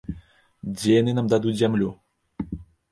Дзе яны нам дадуць зямлю?